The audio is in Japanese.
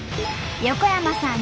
横山さん